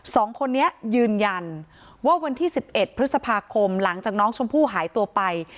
สองคนนี้ยืนยันว่าวันที่๑๑พฤษภาคมหลังจากน้องชมพู่หายตัวไป